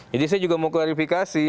jadi saya juga mau klarifikasi